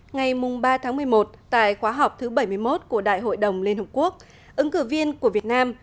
ngày ba tháng một mươi một tại khóa họp thứ bảy mươi một của đại hội đồng liên hợp quốc ứng cử viên của việt nam